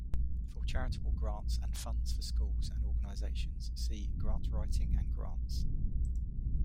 For charitable grants and funds for schools and organizations see: Grant writing and Grants.